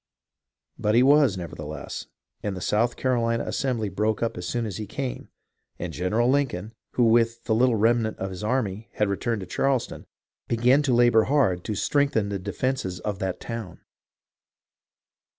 But he was, nevertheless, and the South Caro lina Assembly broke up as soon as he came, and General Lincoln, who with the little remnant of his army had re turned to Charleston, began to labour hard to strengthen the defences of that town.